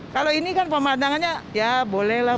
kalau ini kan pemandangannya ya boleh lah